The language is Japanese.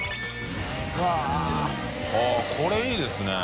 これいいですね。